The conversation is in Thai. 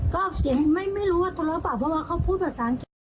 ก็เสียงไม่รู้ว่าทะเลาะเปล่าเพราะว่าเขาพูดภาษาอังกฤษ